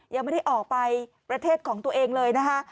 ยังไม่ได้ออกไปประเทศของตัวเองเลยนะคะ